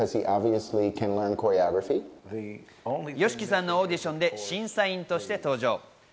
ＹＯＳＨＩＫＩさんのオーディションで審査員として登場。